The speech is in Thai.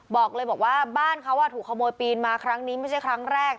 บอกเลยบอกว่าบ้านเขาถูกขโมยปีนมาครั้งนี้ไม่ใช่ครั้งแรก